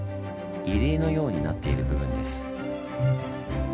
入り江のようになっている部分です。